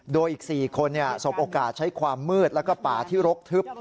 โดยอีก๔คนสบโอกาสใช้ความมืดแล้วก็ป่าที่รกทึบ